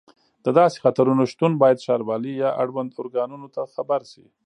د داسې خطرونو شتون باید ښاروالۍ یا اړوندو ارګانونو ته خبر شي.